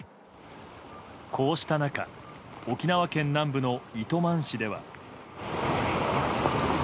こうした中沖縄県南部の糸満市では。